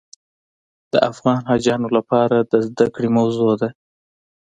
د افغان حاجیانو لپاره د زده کړې موضوع ده.